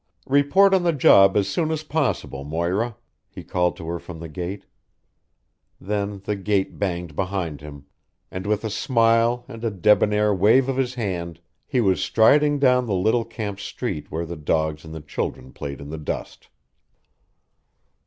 "Report on the job as soon as possible, Moira," he called to her from the gate. Then the gate banged behind him, and with a smile and a debonair wave of his hand, he was striding down the little camp street where the dogs and the children played in the dust.